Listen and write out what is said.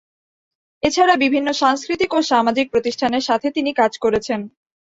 এছাড়া বিভিন্ন সাংস্কৃতিক ও সামাজিক প্রতিষ্ঠানের সাথে তিনি কাজ করেছেন।